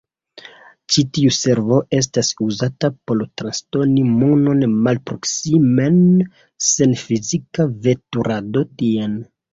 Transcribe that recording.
Ĉi tiu servo estas uzata por transdoni monon malproksimen sen fizika veturado tien.